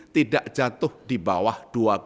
tidak jatuh di bawah dua tiga